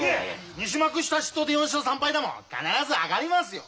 西幕下筆頭で４勝３敗だもん必ず上がりますよ。